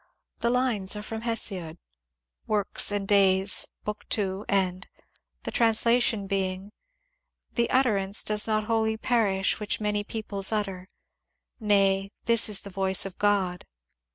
The lines are from Hesiod (" Works and Days," bk. ii, end), the translation being :" The utter ance does not wholly perish which many peoples utter ; nay, this is the voice of God."